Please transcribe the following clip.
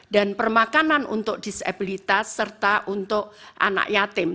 permakanan untuk disabilitas serta untuk anak yatim